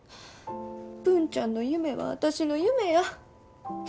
文ちゃんの夢は私の夢や。